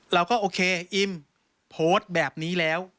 เราก็โอเคอิมโพสต์แบบนี้แล้ว